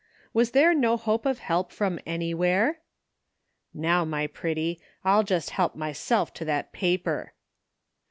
Was there no hope of help from anywhere ? "Now, my pretty, Til just he'p myself to that paper.'